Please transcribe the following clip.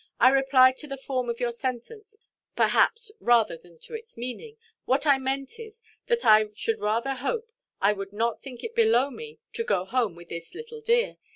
I replied to the form of your sentence, perhaps, rather than to its meaning. What I meant was, that I should rather hope I would not think it below me to go home with this little dear.